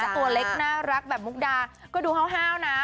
ตัวเล็กน่ารักแบบมุกดาก็ดูห้าวนะ